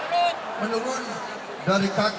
masih memang yang dokter letrary